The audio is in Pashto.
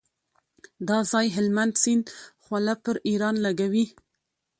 دا ځای هلمند سیند خوله پر ایران لګوي.